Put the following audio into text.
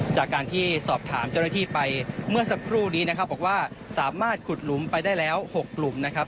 จากการที่สอบถามเจ้าหน้าที่ไปเมื่อสักครู่นี้นะครับบอกว่าสามารถขุดหลุมไปได้แล้ว๖กลุ่มนะครับ